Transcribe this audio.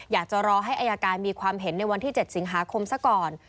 อยากจะรอให้อายการมีความเห็นในวันที่๗สิงหาคมซะก่อน